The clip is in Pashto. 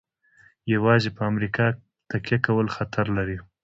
یوازې په امریکا تکیه کول خطر لري.